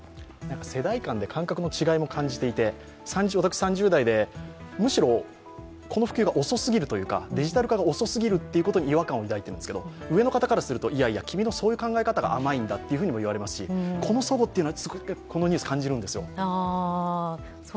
世代間で感覚の違いも感じていて、私は３０代でむしろこの普及が遅すぎるというかデジタル化が遅すぎるというふうに違和感を抱いているんですけれども、上の方からすると、いやいや、君のそういう考え方が甘いんだと言われますし、そのそごをこのニュースは感じるんですよ。